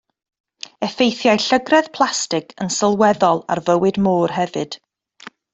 Effeithia llygredd plastig yn sylweddol ar fywyd môr hefyd.